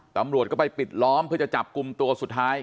ตำรวจก็ไปปิดล้อมเพื่อจะจับกลุ่มตัวสุดท้าย